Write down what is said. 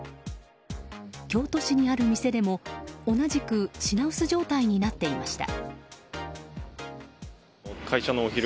京都市にある店でも同じく品薄状態になっていました。